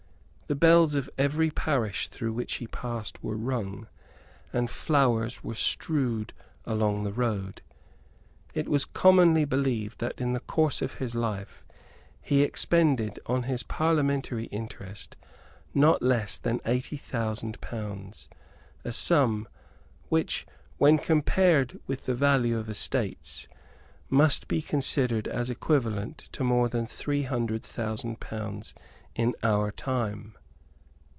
The bells of every parish through which he passed were rung, and flowers were strewed along the road. It was commonly believed that, in the course of his life, he expended on his parliamentary interest not less than eighty thousand pounds, a sum which, when compared with the value of estates, must be considered as equivalent to more than three hundred thousand pounds in our time.